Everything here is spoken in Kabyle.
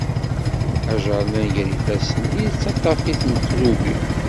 Ajernan gar ifassen, yettaṭṭaf-it meqlubi.